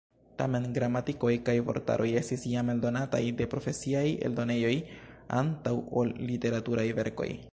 Tamen gramatikoj kaj vortaroj estis jam eldonataj de profesiaj eldonejoj antaŭ ol literaturaj verkoj.